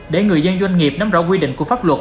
để người dân doanh nghiệp nắm rõ quy định của pháp luật